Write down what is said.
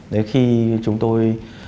đến khi chúng tôi